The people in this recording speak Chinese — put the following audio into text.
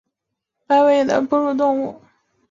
白尾鼹属等之数种哺乳动物。